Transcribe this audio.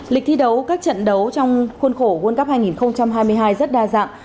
lịch thi đấu các trận đấu trong khuôn khổ world cup hai nghìn hai mươi hai rất đa dạng